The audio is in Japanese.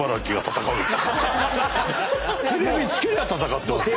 テレビつけりゃ戦ってますから。